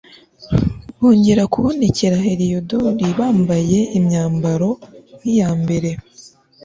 bongera kubonekera heliyodori bambaye imyambaro nk'iya mbere